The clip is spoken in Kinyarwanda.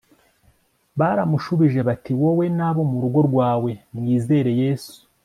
baramushubije bati “wowe n'abo mu rugo rwawe mwizere yesu?